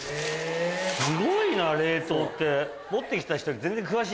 すごいな冷凍って。